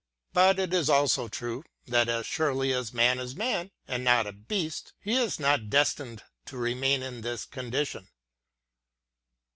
But it is also true, that as surely as man is man, and not a beast, he is not destined to remain in this condition.